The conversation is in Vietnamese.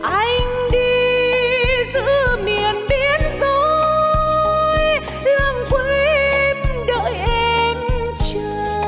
anh đi giữa miền biến rối lòng quên đợi em chờ